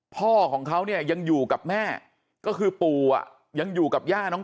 พ่อของเขาเนี่ยยังอยู่กับแม่ก็คือปู่อ่ะยังอยู่กับย่าน้อง